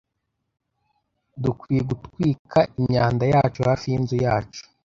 dukwiye gutwika imyanda yacu hafi yinzu yacu.